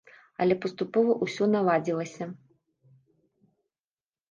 Але паступова ўсё наладзілася.